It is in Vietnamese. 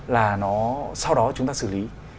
là nó sau đó chúng ta xử lý